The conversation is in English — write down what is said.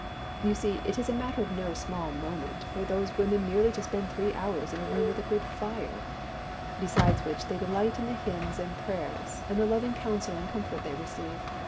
You see it is a matter of no small moment for those women merely to spend three hours in a room with a good fire, besides which they delight in the hymns and prayers and the loving counsel and comfort they receive.